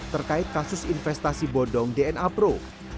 terkait kasus investasi bodong dna pro